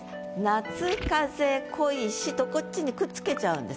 「夏風恋し」とこっちにくっつけちゃうんです。